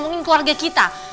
ngomongin keluarga kita